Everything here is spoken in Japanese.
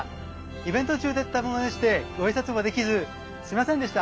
イベント中だったものでしてご挨拶もできずすみませんでした。